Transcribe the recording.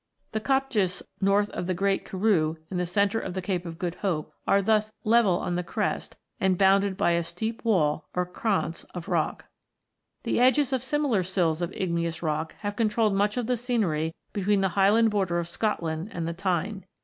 The kopjes north of the Great Karroo in the centre of the Cape of Good Hope are thus level on the crest and bounded by a steep wall or krans of rock. The edges of similar " sills " of igneous rock have controlled much of the scenery between the Highland border of Scotland and the Tyne.